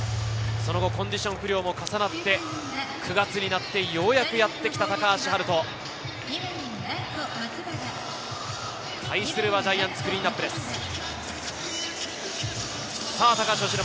その後コンディション不良も重なって、９月になってようやくやってきた高橋遥人。